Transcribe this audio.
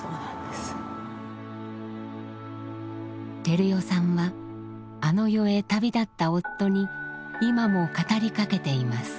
照代さんはあの世へ旅立った夫に今も語りかけています。